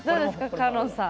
香音さん。